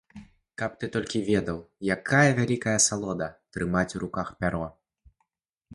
Каб ты толькі ведаў, якая вялікая асалода трымаць у руках пяро.